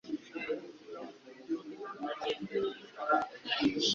Ntushobora kubwira umuntu uwo ari we wese uko wishakiye.